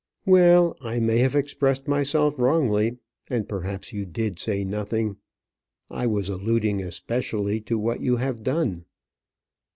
"Well, I may have expressed myself wrongly, and perhaps you did say nothing. I was alluding especially to what you have done."